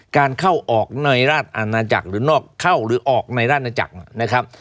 การเข้าออกในราชอาณาจักรหรือนอกเข้าหรือออกในราชนาจักรนะครับ